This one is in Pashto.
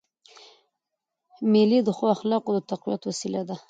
مېلې د ښو اخلاقو د تقویت وسیله دي.